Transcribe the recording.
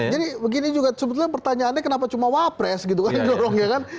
jadi begini juga sebetulnya pertanyaannya kenapa cuma wapres gitu kan di dorong ya kan